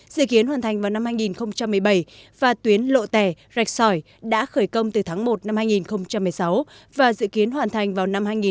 dự kiến hoàn thành vào năm hai nghìn một mươi bảy và tuyến lộ tẻ rạch sỏi đã khởi công từ tháng một năm hai nghìn một mươi sáu và dự kiến hoàn thành vào năm hai nghìn hai mươi